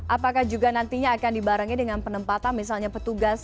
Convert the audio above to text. apakah juga nantinya akan dibarengi dengan penempatan misalnya petugas